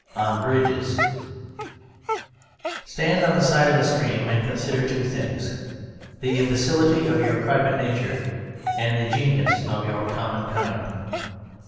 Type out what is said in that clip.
ON BRIDGES Stand on the side of a stream and consider two things: the imbecility of your private nature and the genius of your common kind.